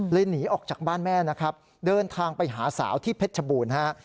หนีออกจากบ้านแม่นะครับเดินทางไปหาสาวที่เพชรชบูรณ์ฮะ